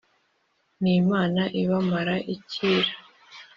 ni imana ibamara icyira.